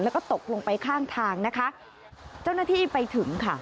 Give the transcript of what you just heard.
แล้วก็ตกลงไปข้างทางนะคะเจ้าหน้าที่ไปถึงค่ะ